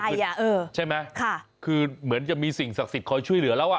เออใช่ไหมค่ะคือเหมือนจะมีสิ่งศักดิ์สิทธิคอยช่วยเหลือแล้วอ่ะ